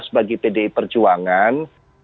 bagi pdi perjuangan